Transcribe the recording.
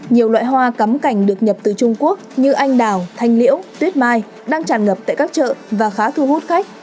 nhiều loại hoa cắm cảnh được nhập từ trung quốc như anh đào thanh liễu tuyết mai đang tràn ngập tại các chợ và khá thu hút khách